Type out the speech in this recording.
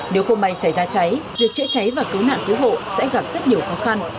nếu không may xảy ra cháy việc chữa cháy và cứu nạn cứu hộ sẽ gặp rất nhiều khó khăn